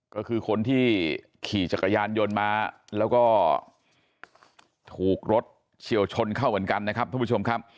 ก็คือคนที่ขี่จักรยานยนต์มาแล้วก็ถูกรถเฉียวชนเข้าเหมือนกันนะครับท่านผู้ชมครับ